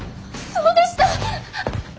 そうでした！